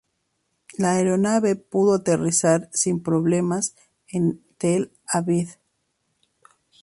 La aeronave pudo aterrizar sin problemas en Tel Aviv.